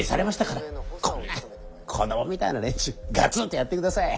こんな子供みたいな連中ガツンとやってください。